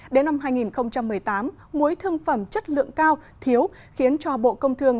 đến năm hai nghìn một mươi tám muối thương phẩm chất lượng cao thiếu khiến cho bộ công thương